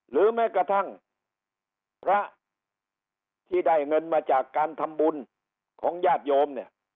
แม้กระทั่งพระที่ได้เงินมาจากการทำบุญของญาติโยมเนี่ย